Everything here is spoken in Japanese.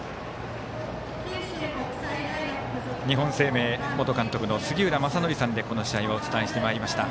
日本生命元監督の杉浦正則さんでこの試合お伝えしてきました。